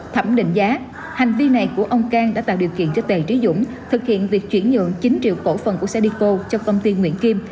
thẩm định giá hành vi này của ông cang đã tạo điều kiện cho tề trí dũng thực hiện việc chuyển nhượng chín triệu cổ phần của cedico cho công ty nguyễn kim